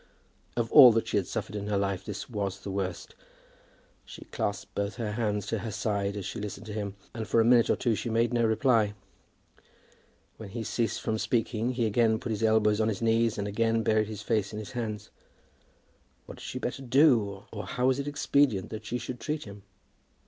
Of all that she had suffered in her life this was the worst. She clasped both her hands to her side as she listened to him, and for a minute or two she made no reply. When he ceased from speaking he again put his elbows on his knees and again buried his face in his hands. What had she better do, or how was it expedient that she should treat him?